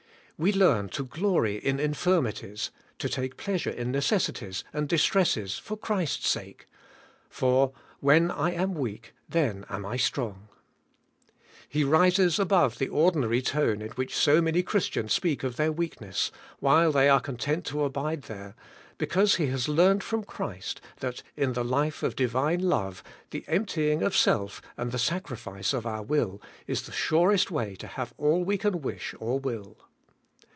We learn to glory iu infirmities, to take pleasure in necessities and dis tresses for Christ's sake; for 'when I am weak, then am I strong.' He rises above the ordinary tone in which so many Christians speak of their weakness, while they are content to abide there, because he has learnt from Christ that in the life of Divine love the emptying of self and the sacrifice of our will is the ^rest way to have all we can wish or will.